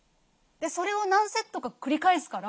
それを何セットか繰り返すから